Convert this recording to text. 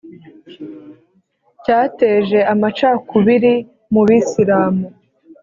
cyateje amacakubiri mu bisilamu